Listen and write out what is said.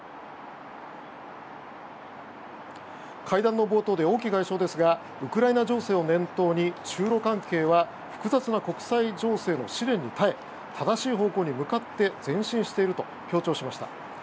会談の冒頭で王毅外相ですがウクライナ情勢を念頭に中露関係は複雑な国際情勢の試練に耐え正しい方向に向かって前進していると強調しました。